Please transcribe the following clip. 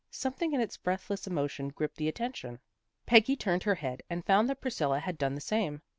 Something in its breathless emotion gripped the attention. Peggy turned her head, and found that Priscflla had done the same.